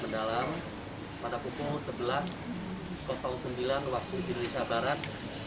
mendalam pada pukul sebelas sembilan waktu indonesia barat